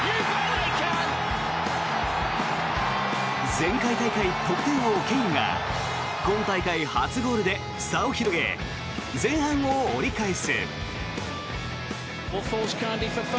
前回大会得点王ケインが今大会初ゴールで差を広げ前半を折り返す。